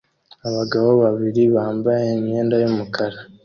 Abagabo babiri bambaye imyenda yumukara